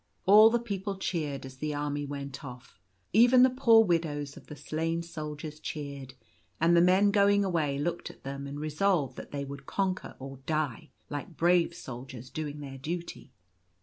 All the people cheered as the army went off. Even the poor widows of the slain soldiers cheered ; and the men going away looked at them and resolved that they would conquer or die, like brave soldiers doing their duty.